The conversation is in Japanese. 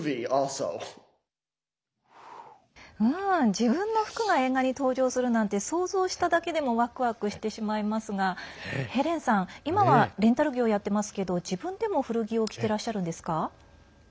自分の服が映画に登場するなんて想像しただけでもワクワクしてしまいますがヘレンさん、今はレンタル業やってますけど自分でも古着を着てらっしゃるんですか？